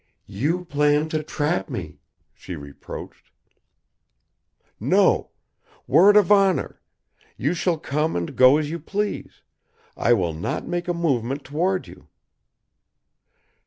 "You plan to trap me," she reproached. "No. Word of honor! You shall come and go as you please; I will not make a movement toward you."